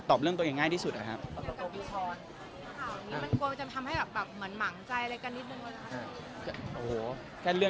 มันเป็นเรื่องตัวอย่างง่ายที่สุดนะครับ